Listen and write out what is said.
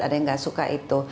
ada yang gak suka itu